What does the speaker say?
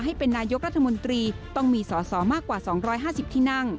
ให้เป็นนายกรัฐมนตรีต้องมีสอสอมากกว่า๒๕๐ที่นั่ง